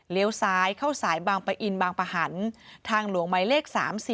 ซ้ายเข้าสายบางปะอินบางปะหันทางหลวงหมายเลข๓๔